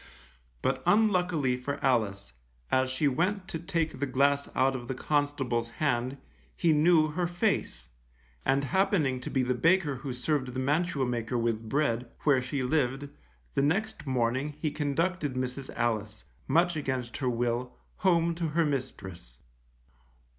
But unluckily for Alice, as she went to take the glass out of the constable's hand, he knew her face, and happening to be the baker who served the mantua maker with bread, where she lived, the next morning he conducted Mrs. Alice, much against her will, home to her mistress.